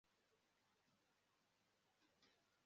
Urunigi rwibihe byashize